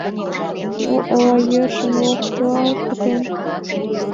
— Ну, ола йӧршын локтылалт пытен.